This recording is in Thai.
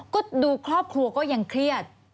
ก็ดูครอบครัวก็ยังเครียด